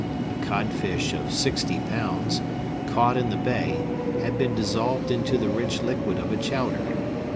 A codfish of sixty pounds, caught in the bay, had been dissolved into the rich liquid of a chowder.